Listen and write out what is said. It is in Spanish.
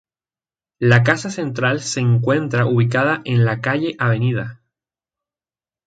La Casa Central, se encuentra ubicada en la calle Av.